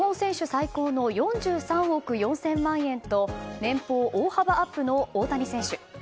最高の４３億４０００万円と年俸大幅アップの大谷選手。